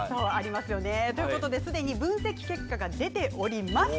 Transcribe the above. すでに分析結果が出ております。